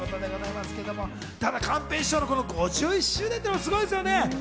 寛平師匠の５１周年もすごいですよね。